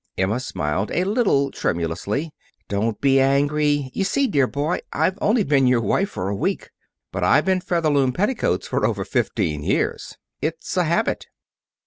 Emma smiled a little tremulously. "Don't be angry. You see, dear boy, I've only been your wife for a week. But I've been Featherloom petticoats for over fifteen years. It's a habit."